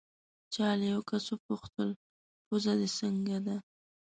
چا له یو کس وپوښتل: پوزه دې څنګه ده؟